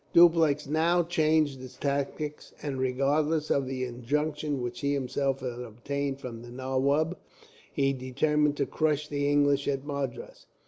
Dupleix now changed his tactics, and regardless of the injunction which he himself had obtained from the nawab, he determined to crush the English at Madras.